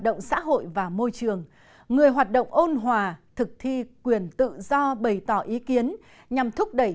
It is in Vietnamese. động xã hội và môi trường người hoạt động ôn hòa thực thi quyền tự do bày tỏ ý kiến nhằm thúc đẩy